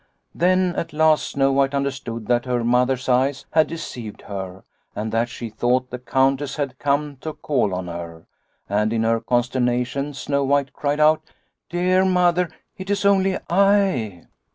" Then at last Snow White understood that Snow White 63 her Mother's eyes had deceived her and that she thought the Countess had come to call on her. And in her consternation Snow White cried out, ' Dear Mother, it is only I